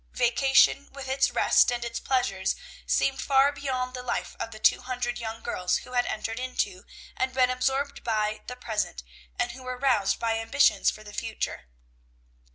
Vacation, with its rest and its pleasures, seemed far behind the life of the two hundred young girls who had entered into, and been absorbed by, the present, and who were roused by ambitions for the future.